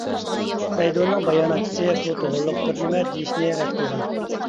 بەيدۇنىڭ باياناتچىسى بۇ توغرۇلۇق بىر نېمە دېيىشنى رەت قىلغان.